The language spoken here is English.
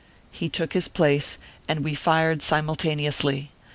He took his place, and we fired simultaneously.